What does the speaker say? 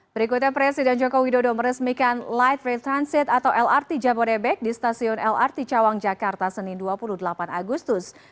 berikutnya presiden joko widodo meresmikan light rail transit atau lrt jabodebek di stasiun lrt cawang jakarta senin dua puluh delapan agustus